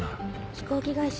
飛行機会社？